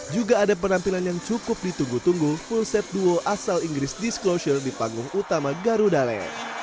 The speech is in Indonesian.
juga ada penampilan yang cukup ditunggu tunggu full set duo asal inggris disclosure di panggung utama garudale